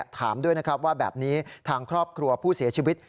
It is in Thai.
ถามด้วยนะครับว่าแบบนี้ทางครอบครัวผู้เสียชีวิต